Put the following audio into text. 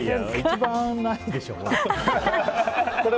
一番ないでしょ、これ。